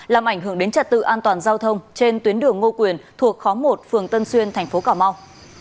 làm ảnh hưởng đến trật tự an toàn giao thông trên tuyến đường ngô quyền thuộc khóa một phường tân xuyên tp cà mau